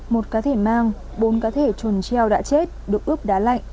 một cá thể mang bốn cá thể trồn treo đã chết đụ ướp đá lạnh